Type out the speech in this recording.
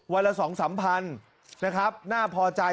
ละ๒๓พันนะครับน่าพอใจ